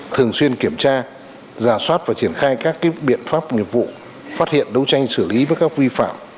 thường xuyên kiểm tra giả soát và triển khai các biện pháp nghiệp vụ phát hiện đấu tranh xử lý với các vi phạm